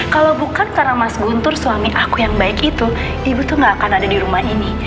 kalau bukan karena mas guntur suami aku yang baik itu ibu tuh gak akan ada di rumah ini